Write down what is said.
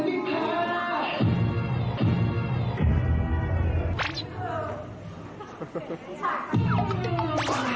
ในวันนี้ก็เป็นการประเดิมถ่ายเพลงแรก